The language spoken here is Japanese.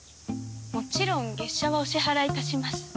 もちろん月謝はお支払いいたします。